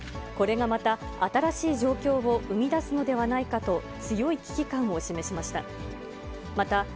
これがまた、新しい状況を生み出すのではないかと、強い危機感を示しました。